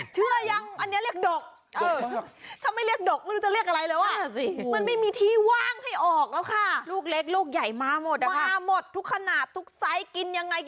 เจอวันน่ะ